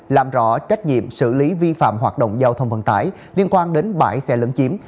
làm rõ trách nhiệm xử lý vi phạm hoạt động giao thông vận tải liên quan đến bãi xe lấn chiếm